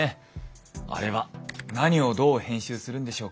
あれは何をどう編集するんでしょうか？